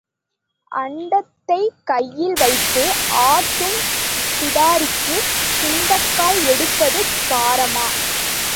அண்டத்தைக் கையில் வைத்து ஆட்டும் பிடாரிக்குச் சுண்டைக்காய் எடுப்பது பாரமா?